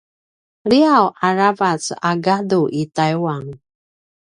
liyaw a ravac a gadu i taiwan